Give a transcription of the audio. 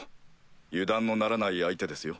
油断のならない相手ですよ。